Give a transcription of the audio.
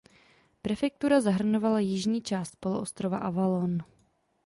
Prefektura zahrnovala jižní část poloostrova Avalon.